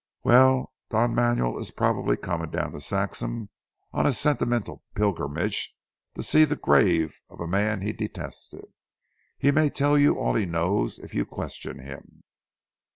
"Well! Don Manuel is probably coming down to Saxham on a sentimental pilgrimage to see the grave of a man he detested. He may tell you all he knows if you question him."